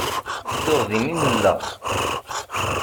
Tuɣ din i nella.